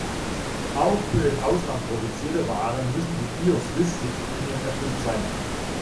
Auch für im Ausland produzierte Waren müssen die Bio-Suisse-Richtlinien erfüllt sein.